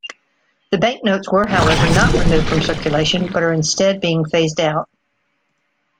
The banknotes were however not removed from circulation, but are instead being phased out.